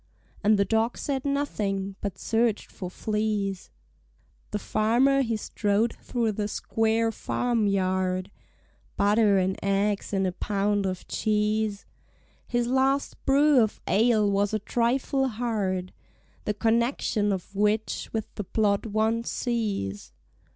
And the dog said nothing, but search'd for fleas. The farmer he strode through the square farmyard; (Butter and eggs and a pound of cheese) His last brew of ale was a trifle hard— The connexion of which with the plot one sees.